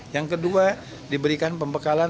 yang kedua diberikan pembekalan